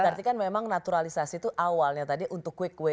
berarti kan memang naturalisasi itu awalnya tadi untuk quick kuwait